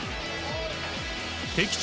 敵地